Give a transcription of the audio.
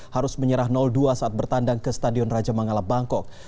harus menyerah dua saat bertandang ke stadion raja mangala bangkok